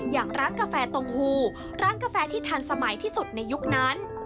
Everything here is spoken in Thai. อย่างร้านกาแฟตรงฮูร้านกาแฟที่ทันสมัยที่สุดในยุคนั้น